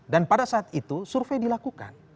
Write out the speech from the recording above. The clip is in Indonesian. dan pada saat itu survei dilakukan